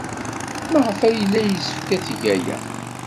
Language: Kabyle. Maɣef ay yella yessefk ad teg aya?